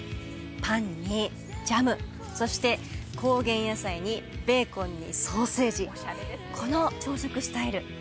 パンにジャムそして高原野菜にベーコンにソーセージこの朝食スタイル